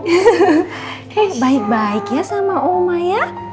hehehe baik baik ya sama oma ya